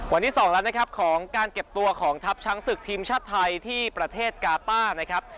วันที่๒แล้วนะครับของการเก็บตัวของทัพช้างศึกทีมชาติไทยที่ประเทศกาต้านะครับ